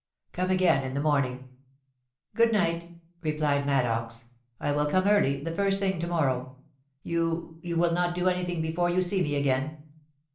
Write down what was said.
Come again in the morning.' ' Good night,' replied Maddox. ' I will come early — the first thing to morrow. You — you will not do anything be fore you see me again